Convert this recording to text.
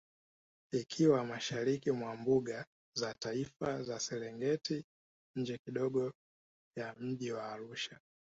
Ikiwa Mashariki mwa Mbuga za Taifa za Serengeti nje kidogo ya mji wa Arusha